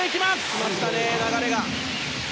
来ましたね、流れが。